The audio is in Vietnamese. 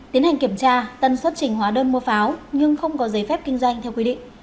tiến hành kiểm tra tân xuất trình hóa đơn mua pháo nhưng không có giấy phép kinh doanh theo quy định